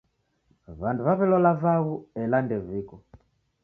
W'andu w'aw'elola vaghu, ela ndeviko